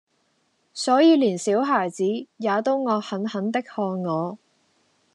所以連小孩子，也都惡狠狠的看我。